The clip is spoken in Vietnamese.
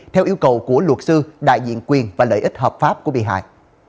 theo yêu cầu của luật sư đại diện quyền và lợi ích hợp pháp của bị hại